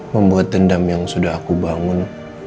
membuat dendam yang sudah aku bangun